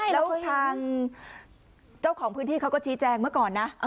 แล้วทางเจ้าของพื้นที่เขาก็ชี้แจงเมื่อก่อนนะ